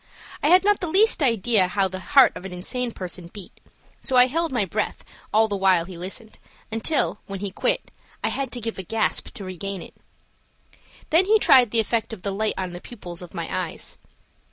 I had not the least idea how the heart of an insane person beat, so I held my breath all the while he listened, until, when he quit, I had to give a gasp to regain it. Then he tried the effect of the light on the pupils of my eyes.